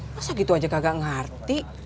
masa gitu aja kakak ngerti